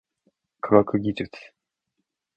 科学技術